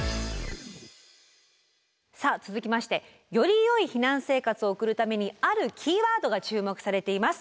さあ続きましてよりよい避難生活を送るためにあるキーワードが注目されています。